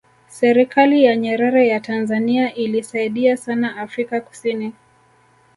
serikali ya nyerere ya tanzania iliisaidia sana afrika kusini